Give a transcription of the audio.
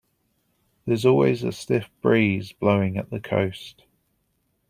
There's always a stiff breeze blowing at the coast.